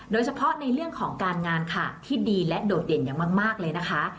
โดยเฉพาะในเรื่องของการงานค่ะที่ดีและโดดเด่นอย่างมากเลยนะคะ